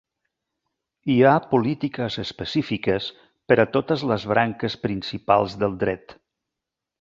Hi ha polítiques específiques per a totes les branques principals del Dret.